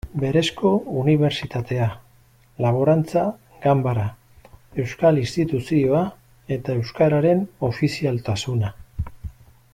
Berezko unibertsitatea, Laborantza Ganbara, Euskal Instituzioa eta euskararen ofizialtasuna.